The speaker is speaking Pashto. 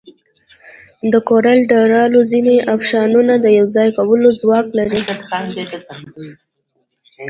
د کولر ډراو ځینې افشنونه د یوځای کولو ځواک لري.